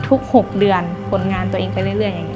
๖เดือนผลงานตัวเองไปเรื่อยอย่างนี้